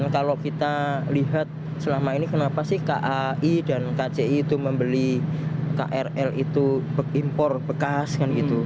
kalau kita lihat selama ini kenapa sih kai dan kci itu membeli krl itu impor bekas kan gitu